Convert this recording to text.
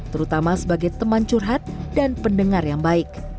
terutama sebagai teman curhat dan pendengar yang baik